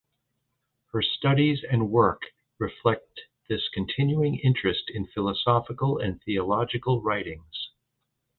Her studies and work reflect this continuing interest in philosophical and theological writings.